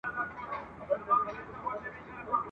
نه پوهېږم ورکه کړې مي ده لاره ..